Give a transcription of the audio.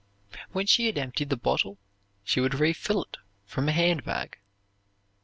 When she had emptied the bottle she would refill it from a hand bag.